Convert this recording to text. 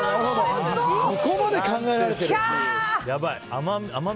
そこまで考えられてる。